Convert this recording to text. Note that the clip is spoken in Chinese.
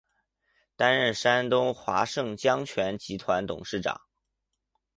担任山东华盛江泉集团董事长。